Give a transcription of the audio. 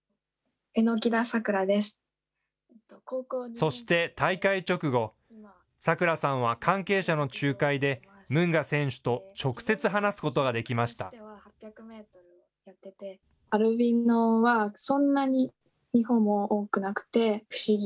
そして大会直後、咲来さんは関係者の仲介で、ムンガ選手と直接話すことができました。